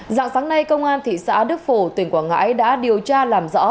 dạng sáng nay công an thị xã đức phổ tỉnh quảng ngãi đã điều tra làm rõ